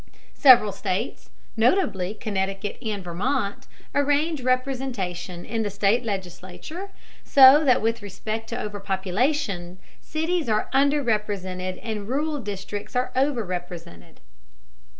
Several states, notably Connecticut and Vermont, arrange representation in the state legislature so that with respect to population, cities are under represented and rural districts are over represented.